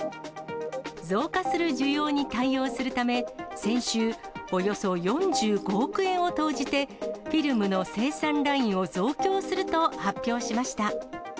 増加する需要に対応するため、先週、およそ４５億円を投じて、フィルムの生産ラインを増強すると発表しました。